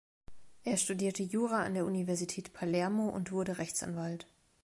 Er studierte Jura an der Universität Palermo und wurde Rechtsanwalt.